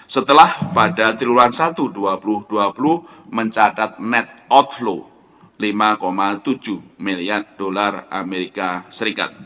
setelah pada triwulan satu dua ribu dua puluh mencatat net outflow lima tujuh miliar dolar amerika serikat